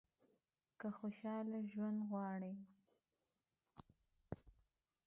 که خوشاله ژوند غواړئ .